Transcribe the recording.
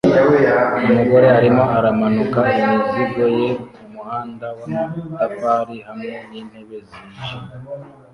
Umugore arimo aramanura imizigo ye kumuhanda wamatafari hamwe nintebe zijimye